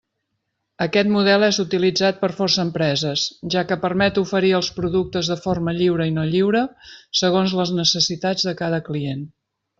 Aquest model és utilitzat per força empreses, ja que permet oferir els productes de forma lliure i no lliure segons les necessitats de cada client.